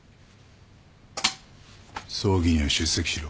葬儀には出席しろ。